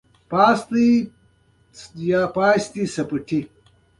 د ملتونو وېستلو نظریه پخوا ردېده.